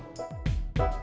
terima kasih bang